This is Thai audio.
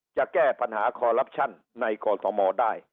จะแก้ปัญหาคอลลับชั่นในกรทมได้